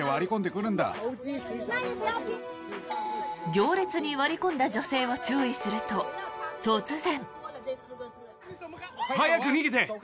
行列に割り込んだ女性を注意すると、突然。